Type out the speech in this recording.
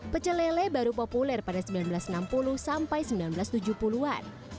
pecelele baru populer pada seribu sembilan ratus enam puluh sampai seribu sembilan ratus tujuh puluh an